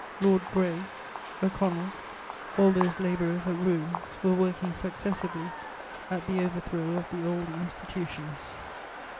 Lord Grey, O'Connell, all those labourers at ruins were working successively at the overthrow of the old institutions.